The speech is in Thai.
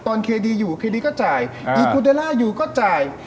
เคดีอยู่เคดีก็จ่ายอีกุเดลล่าอยู่ก็จ่าย